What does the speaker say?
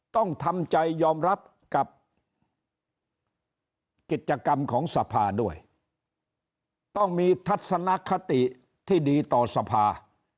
ต้องทำใจยอมรับกับกิจกรรมของสภาด้วยต้องมีทัศนคติที่ดีต่อสภา